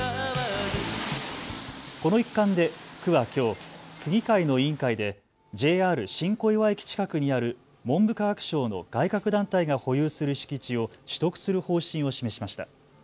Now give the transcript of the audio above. この一環で区はきょう区議会の委員会でＪＲ新小岩駅近くにある文部科学省の外郭団体が保有する敷地を取得する方針を示しました。